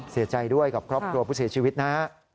เสียใจด้วยกับครอบครัวผู้เสียชีวิตนะฮะ